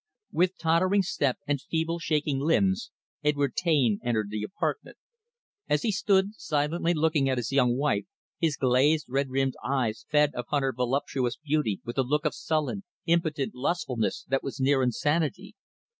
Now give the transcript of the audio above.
With tottering step and feeble, shaking limbs, Edward Taine entered the apartment. As he stood, silently looking at his young wife, his glazed, red rimmed eyes fed upon her voluptuous beauty with a look of sullen, impotent lustfulness that was near insanity.